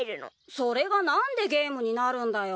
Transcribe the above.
それがなんでゲームになるんだよ？